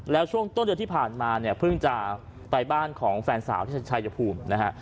แล้วช่วงต้นเดือนที่ผ่านมาเนี่ยเพิ่งจะไปบ้านของแฟนสาวที่ชายภูมินะฮะ